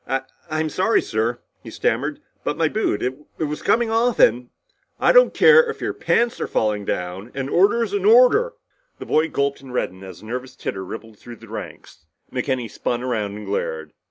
"I I'm sorry, sir," he stammered. "But my boot it was coming off and " "I don't care if your pants are falling down, an order's an order!" The boy gulped and reddened as a nervous titter rippled through the ranks. McKenny spun around and glared.